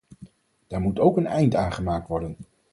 Daar moet ook een eind aan gemaakt worden.